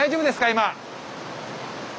今。